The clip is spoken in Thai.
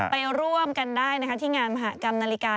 ไปร่วมกันได้ที่งานมหากรรมนาฬิกา